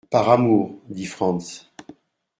Par amour, dit Frantz.